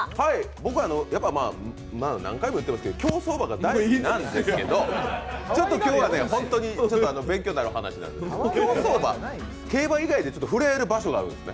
僕、何回も言ってますけど競走馬が大好きなんですけどちょっと今日は勉強になる話なんですけど競走馬、競馬以外で触れ合える場所があるんです。